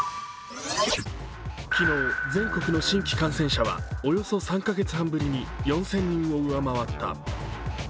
昨日、全国の新規感染者はおよそ３カ月半ぶりに４０００人を上回った。